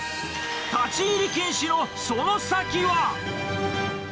立ち入り禁止のその先は？